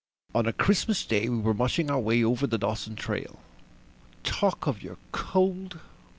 On a Christmas Day we were mushing our way over the Dawson trail. Talk of your cold!